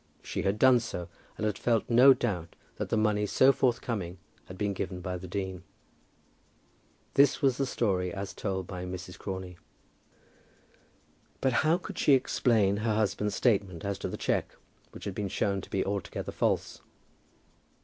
She had done so, and had felt no doubt that the money so forthcoming had been given by the dean. That was the story as told by Mrs. Crawley. But how could she explain her husband's statement as to the cheque, which had been shown to be altogether false?